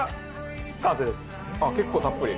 あっ結構たっぷり。